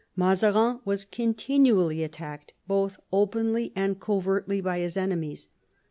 Mazarin was continually attacked both openly and covertly by his enemies.